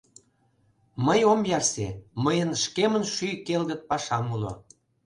Мый ом ярсе, мыйын шкемын шӱй келгыт пашам уло.